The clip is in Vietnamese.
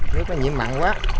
nước nó nhiễm mặn quá